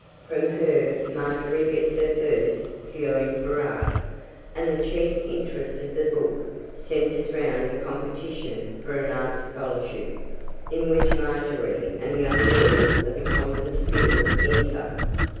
From her Margery gets her first feeling for art, and the chief interest of the book centres round a competition for an art scholarship, into which Margery and the other girls of the convent school enter.